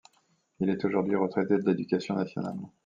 Il est aujourd'hui retraité de l'Éducation nationale.